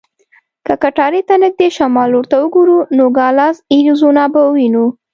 که کټارې ته نږدې شمال لور ته وګورو، نوګالس اریزونا به وینو.